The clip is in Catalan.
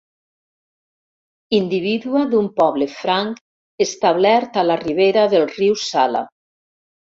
Indivídua d'un poble franc establert a la ribera del riu Sala.